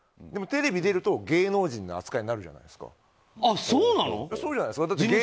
でもテレビに出ると芸能人の扱いになるじゃないですか。